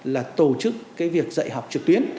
là tổ chức cái việc dạy học trực tuyến